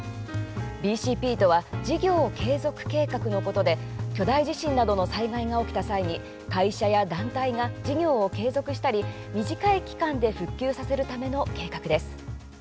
ＢＣＰとは事業継続計画のことで巨大地震などの災害が起きた際に会社や団体が事業を継続したり短い期間で復旧させるための計画です。